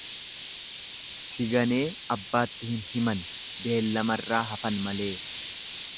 Si ganee abbaatti hin himan beellamarraa hafan malee.